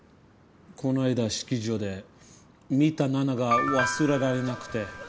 こないだ式場で見たナナが忘れられなくて。